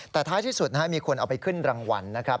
แต่ท้ายที่สุดมีคนเอาไปขึ้นรางวัลนะครับ